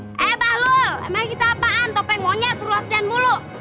eh bahlul emang kita apaan topeng wonyet harus latihan mulu